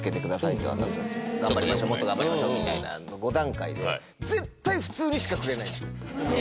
「もっと頑張りましょう」みたいな５段階で絶対「普通」にしかくれないんですよ